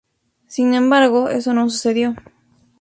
Sin embargo, eso no sucedió.